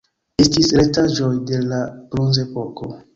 Estis restaĵoj de la Bronzepoko.